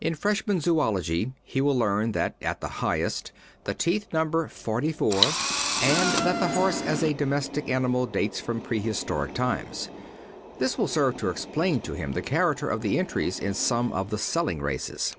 In freshman zoölogy he will learn that, at the highest, the teeth number forty four, and that the horse as a domestic animal dates from prehistoric times. This will serve to explain to him the character of the entries in some of the selling races.